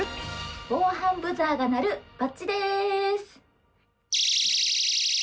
防犯ブザーが鳴るバッジです！